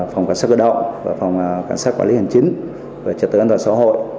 phòng quản sát cơ động phòng quản sát quản lý hành chính trật tự an toàn xã hội